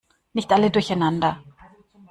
Nicht alle durcheinander!